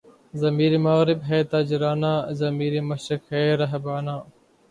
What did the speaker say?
ضمیرِ مغرب ہے تاجرانہ، ضمیر مشرق ہے راہبانہ